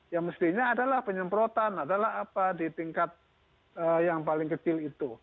ya mestinya adalah penyemprotan adalah apa di tingkat yang paling kecil itu